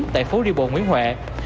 tại phố riêu bộ nguyễn huệ